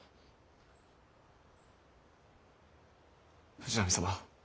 藤波様。